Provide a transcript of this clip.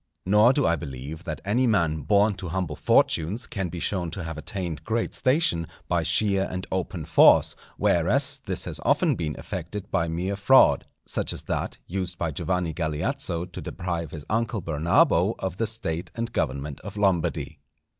Nor do I believe that any man born to humble fortunes can be shown to have attained great station, by sheer and open force, whereas this has often been effected by mere fraud, such as that used by Giovanni Galeazzo to deprive his uncle Bernabo of the State and government of Lombardy.